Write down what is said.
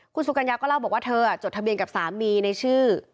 คุณสุกัญญาก็เล่าบอกว่าเธอจดทะเบียนกับสามีในชื่อ